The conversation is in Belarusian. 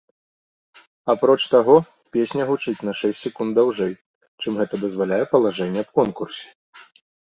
Апроч таго, песня гучыць на шэсць секунд даўжэй, чым гэта дазваляе палажэнне аб конкурсе.